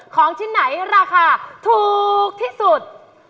ของชิ้นไหนราคาถูกที่สุด